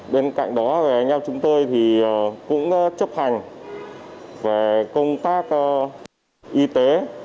bên cạnh đó nhóm chúng tôi cũng chấp hành công tác y tế